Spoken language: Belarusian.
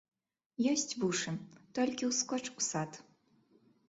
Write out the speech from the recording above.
Ёсць вушы, толькі ўскоч у сад.